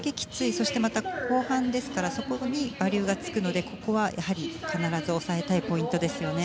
そして、後半ですからそこにバリューがつくのでここは必ず押さえたいポイントですよね。